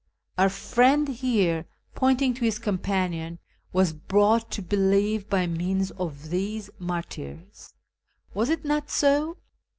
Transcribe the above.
Our friend liere " (pointing to his companion) " was brought to believe by means of these martyrs. Was it not so